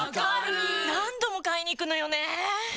わかる何度も買いに行くのよね